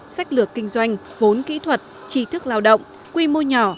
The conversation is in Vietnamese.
sách lược kinh doanh vốn kỹ thuật trí thức lao động quy mô nhỏ